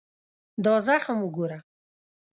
دا زخم وګوره.